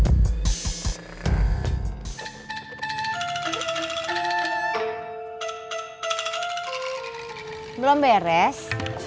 kapal kelapa kelapa rayon peluk seluruh